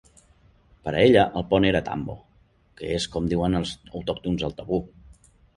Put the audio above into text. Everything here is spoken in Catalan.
Per a ella el pont era "tambo", que és com en diuen els autòctons al tabú.